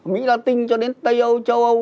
mỹ latin cho đến tây âu châu âu